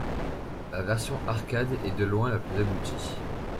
La version arcade est de loin la plus aboutie.